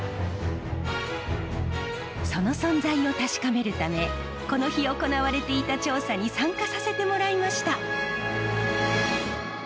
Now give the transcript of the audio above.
その存在を確かめるためこの日行われていた調査に参加させてもらいました。